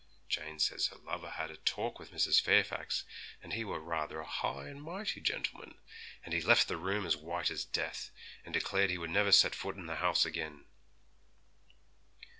Jane says her lover had a talk with Mrs. Fairfax, and he were rather a high and mighty gentleman, and he left the room as white as death, and declared he would never set foot in the house again.